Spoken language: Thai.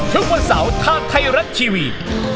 ทุกวันเสาร์ทางไทยรัฐทีวี